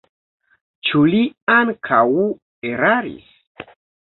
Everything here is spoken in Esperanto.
Ĉu li ankaŭ eraris?